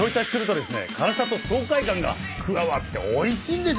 辛さと爽快感が加わっておいしいんですよ！